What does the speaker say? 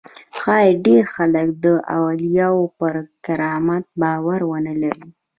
ښایي ډېر خلک د اولیاوو پر کرامت باور ونه لري.